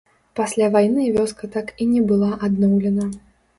Пасля вайны вёска так і не была адноўлена.